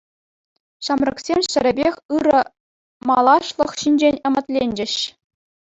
Ҫамрӑксем ҫӗрӗпех ырӑ малашлӑх ҫинчен ӗмӗтленчӗҫ.